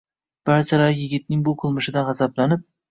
Barchalari yigitning bu qilmishidan g'azablanib